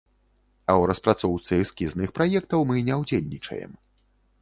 А ў распрацоўцы эскізных праектаў мы не ўдзельнічаем.